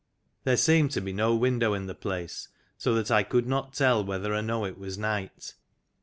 There seemed to be no window in the place, so that I could not tell whether or no it was night.